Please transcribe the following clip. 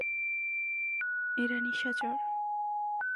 এরা নিশাচর।